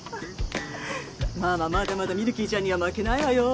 まだまだミルキーちゃんには負けないわよ！